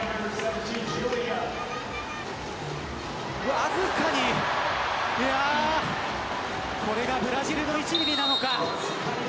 わずかにこれがブラジルの１ミリなのか。